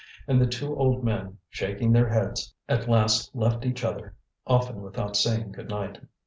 And the two old men, shaking their heads, at last left each other, often without saying good night.